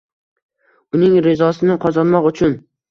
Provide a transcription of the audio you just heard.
Uning rizosini qozonmoq uchun